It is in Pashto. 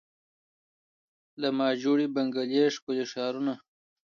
له ما جوړي بنګلې ښکلي ښارونه